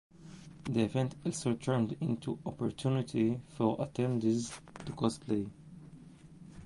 The event also turned into an opportunity for attendees to cosplay.